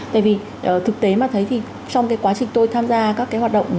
tại vì thực tế mà thấy thì trong cái quá trình tôi tham gia các cái hoạt động